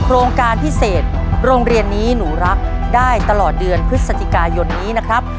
โครงการพิเศษโรงเรียนนี้หนูรักได้ตลอดเดือนพฤศจิกายนนี้นะครับ